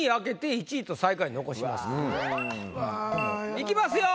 いきますよ。